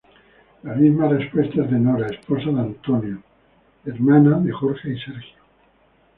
La misma respuesta es de Nora, esposa de Antonio, hermano de Jorge y Sergio.